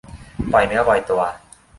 ปล่อยเนื้อปล่อยตัว